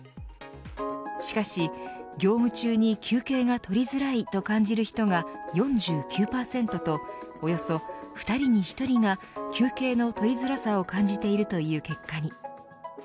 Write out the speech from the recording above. しかし、業務中に休憩がとりづらいと感じる人が４９％とおよそ２人に１人が休憩の取りづらさを感じているという結果に。